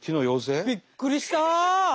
びっくりした！